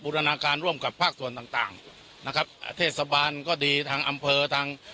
รณาการร่วมกับภาคส่วนต่างต่างนะครับเทศบาลก็ดีทางอำเภอทาง